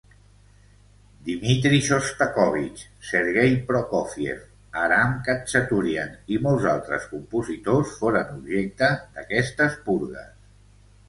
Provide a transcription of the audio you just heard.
Dmitri Xostakóvitx, Serguei Prokófiev, Aram Khatxaturian i molts altres compositors foren objecte d'aquestes purgues.